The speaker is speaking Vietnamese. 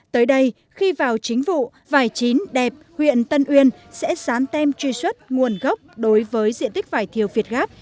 tới đây khi vào chính vụ vải chín đẹp huyện tân uyên sẽ sán tem truy xuất nguồn gốc đối với diện tích vải thiều việt gáp